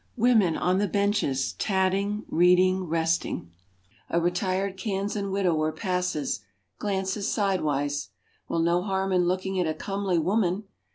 Women on the benches tatting, reading, resting. A retired Kansan widower passes, glances sidewise. Well, no harm in looking at a comely woman.